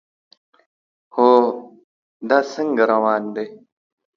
هو، دا څنګه روان دی؟